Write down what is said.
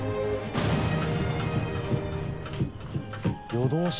夜通し？